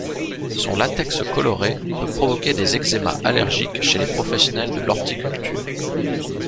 Son latex coloré peut provoquer des eczémas allergiques chez les professionnels de l'horticulture.